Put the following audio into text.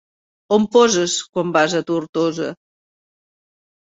On poses, quan vas a Tortosa?